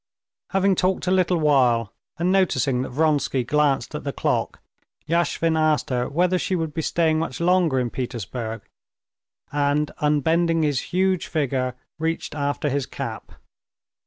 Having talked a little while, and noticing that Vronsky glanced at the clock, Yashvin asked her whether she would be staying much longer in Petersburg, and unbending his huge figure reached after his cap.